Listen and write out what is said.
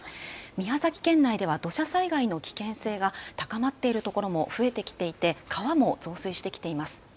宮崎県内では土砂災害の危険性が高まっているところも増えてきていて、川も増水してきています。